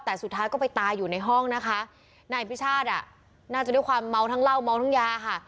แต่สุดท้ายก็ไปตายอยู่ในห้องนะคะนายอภิชาติอ่ะน่าจะด้วยความเมาทั้งเหล้าเมาทั้งยาค่ะ